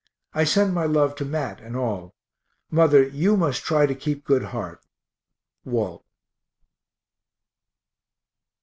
I send my love to Mat and all. Mother, you must try to keep good heart. WALT.